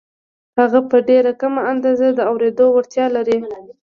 هغه په ډېره کمه اندازه د اورېدو وړتیا لري